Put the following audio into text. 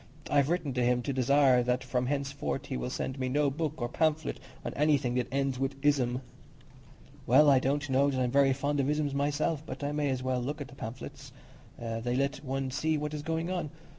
I've written to him to desire that from henceforth he will send me no book or pamphlet on anything that ends in ism." "Well, I don't know that I'm very fond of isms myself; but I may as well look at the pamphlets; they let one see what is going on.